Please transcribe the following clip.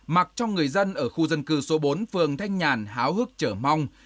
mặc trong người dân ở khu dân cư số bốn phương thanh nhàn háo hức trở mong